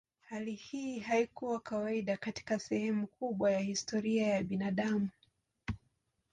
Hali hii haikuwa kawaida katika sehemu kubwa ya historia ya binadamu.